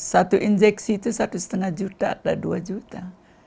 satu injeksi itu satu lima juta ada dua juta